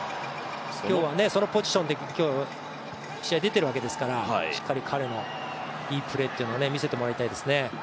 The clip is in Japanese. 今日はそのポジションで試合、出てるわけですからしっかり彼のいいプレーってのを見せてもらいたいたですね。